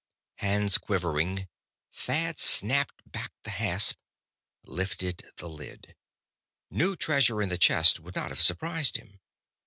Hands quivering, Thad snapped back the hasp, lifted the lid. New treasure in the chest would not have surprised him.